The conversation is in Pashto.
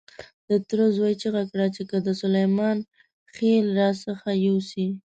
د تره زوی چیغه کړه چې که دې سلیمان خېل را څخه يوسي.